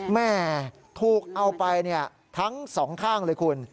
แม่ถูกเอาไปทั้งสองข้างเลยคุณ